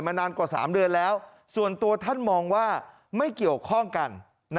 นานกว่า๓เดือนแล้วส่วนตัวท่านมองว่าไม่เกี่ยวข้องกัน